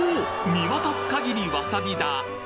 見渡す限りわさび田！